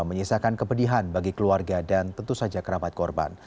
menyisakan kepedihan bagi keluarga dan tentu saja kerabat korban